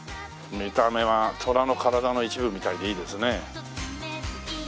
見た目はトラの体の一部みたいでいいですね。